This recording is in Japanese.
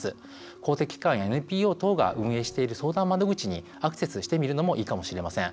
公的機関やＮＰＯ等が運営している相談窓口にアクセスしてみるのもいいかもしれません。